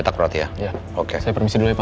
terima kasih juga